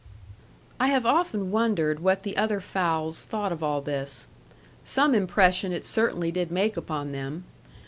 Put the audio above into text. I have often wondered what the other fowls thought of all this. Some impression it certainly did make upon them.